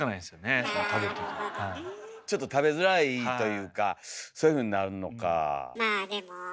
ちょっと食べづらいというかそういうふうになるのか。